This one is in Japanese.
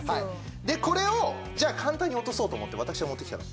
でこれをじゃあ簡単に落とそうと思って私が持ってきたもの